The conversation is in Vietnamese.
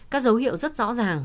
các dấu hiệu rất rõ ràng